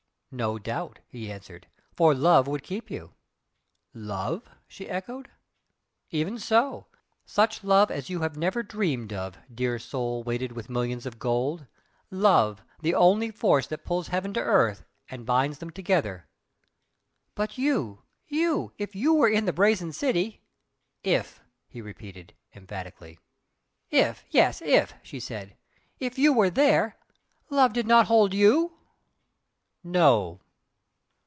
"No doubt!" he answered "For love would keep you!" "Love!" she echoed. "Even so! Such love as you have never dreamed of, dear soul weighted with millions of gold! Love! the only force that pulls heaven to earth and binds them together!" "But YOU you if you were in the Brazen City " "If!" he repeated, emphatically. "If yes! if" she said "If you were there, love did not hold YOU?" "No!"